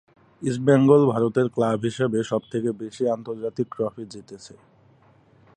ইষ্ট বেঙ্গল ভারতের ক্লাব হিসাবে সব থেকে বেশি আন্তর্জাতিক ট্রফি জিতেছে।